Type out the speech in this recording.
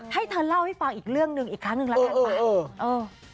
ให้เธอเล่าให้ฟังอีกเรื่องนึงอีกครั้งหนึ่งแล้วมาว่าทำไมหลังมาโอ้โห